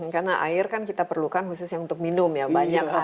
karena air kan kita perlukan khususnya untuk minum ya